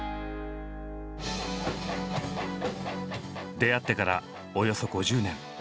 出会ってからおよそ５０年。